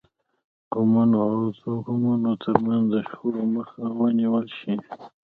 د قومونو او توکمونو ترمنځ د شخړو مخه ونیول شي.